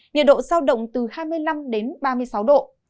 nhiệt độ giao động từ hai mươi năm đến ba mươi sáu độ